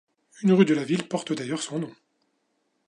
Une rue de la ville porte d'ailleurs son nom.